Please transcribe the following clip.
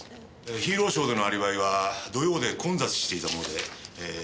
ヒーローショーでのアリバイは土曜で混雑していたものでえー